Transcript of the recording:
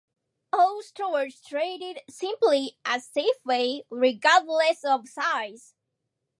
All stores traded simply as Safeway, regardless of size.